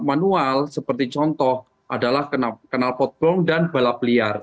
nah yang bisa dilakukan manual seperti contoh adalah kenal potbong dan balap liar